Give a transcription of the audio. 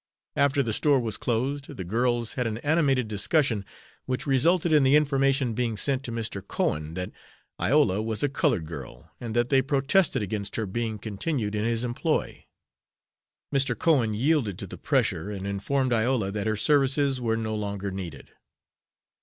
After the store was closed, the girls had an animated discussion, which resulted in the information being sent to Mr. Cohen that Iola was a colored girl, and that they protested against her being continued in his employ. Mr. Cohen yielded to the pressure, and informed Iola that her services were no longer needed.